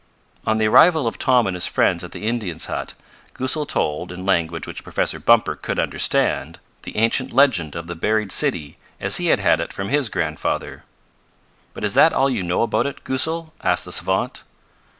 On the arrival of Tom and his friends at the Indian's hut, Goosal told, in language which Professor Bumper could understand, the ancient legend of the buried city as he had had it from his grandfather. "But is that all you know about it, Goosal?" asked the savant.